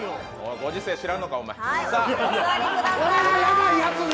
ご時世知らんのか。